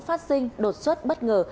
phát sinh đột xuất bất ngờ